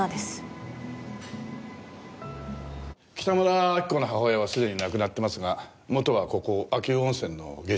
北村明子の母親はすでに亡くなってますがもとはここ秋保温泉の芸者でした。